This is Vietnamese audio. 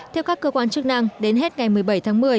theo các cơ quan chức năng đến hết ngày một mươi bảy tháng một mươi